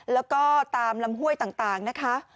แล้วก็ตามลำห้วยต่างนะคะ